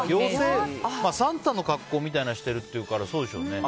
サンタの格好してるっていうからそうでしょうね。